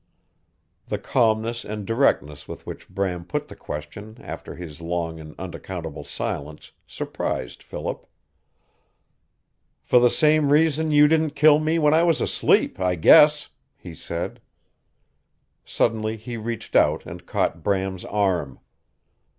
The calmness and directness with which Bram put the question after his long and unaccountable silence surprised Philip. "For the same reason you didn't kill me when I was asleep, I guess," he said. Suddenly he reached out and caught Bram's arm.